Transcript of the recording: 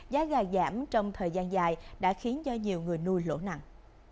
giá gà giảm trong thời gian dài đã khiến cho nhiều người nuôi lỗ nặng